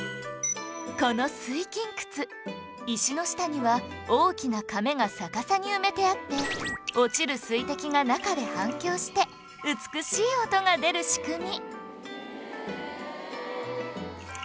この水琴窟石の下には大きなかめが逆さに埋めてあって落ちる水滴が中で反響して美しい音が出る仕組み